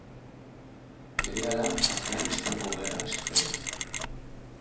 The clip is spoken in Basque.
Berehala Afganistango gerra hasi zen.